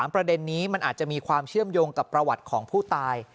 ประเด็นนี้มันอาจจะมีความเชื่อมโยงกับประวัติของผู้ตาย